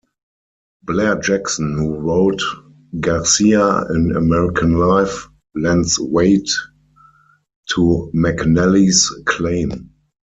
Blair Jackson, who wrote "Garcia: An American Life", lends weight to McNally's claim.